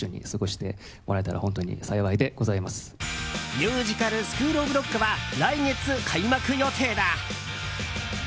ミュージカル「スクールオブロック」は来月、開幕予定だ。